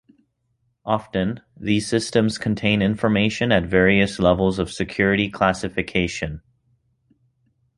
Often, these systems contain information at various levels of security classification.